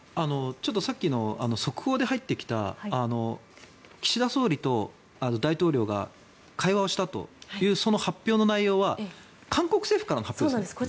ちょっとさっきの速報で入ってきた岸田総理と大統領が会話をしたというその発表の内容は韓国政府からの発表ですか？